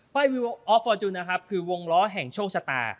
ออฟฟอร์จูนะครับคือวงล้อแห่งโชคชะตา